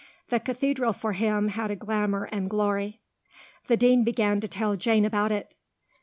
The Cathedral for him had a glamour and glory. The Dean began to tell Jane about it.